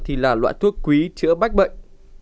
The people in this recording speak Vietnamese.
thì là loại thuốc quý chữa bách bệnh